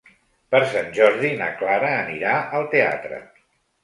Per Sant Jordi na Clara anirà al teatre.